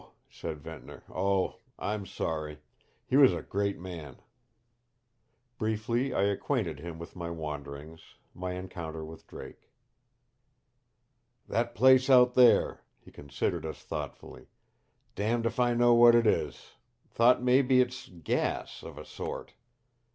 said Ventnor. "Oh I'm sorry. He was a great man." Briefly I acquainted him with my wanderings, my encounter with Drake. "That place out there " he considered us thoughtfully. "Damned if I know what it is. Thought maybe it's gas of a sort.